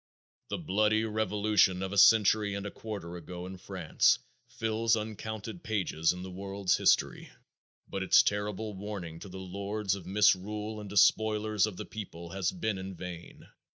The bloody revolution of a century and a quarter ago in France fills uncounted pages in the world's history, but its terrible warning to the lords of misrule and despoilers of the people has been in vain.